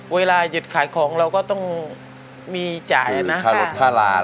เวลาหยุดขายของเราก็ต้องมีจ่ายอ่ะนะคือค่าลดค่าลา